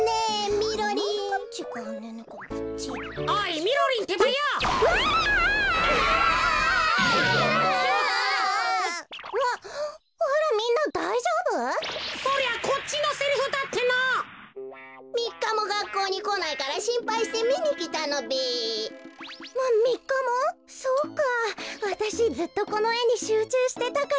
わたしずっとこのえにしゅうちゅうしてたから。